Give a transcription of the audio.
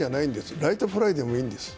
ライトフライでもいいんです。